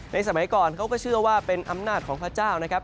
สมัยก่อนเขาก็เชื่อว่าเป็นอำนาจของพระเจ้านะครับ